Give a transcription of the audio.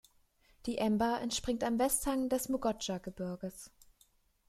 Die Emba entspringt am Westhang des Mugodschar-Gebirges.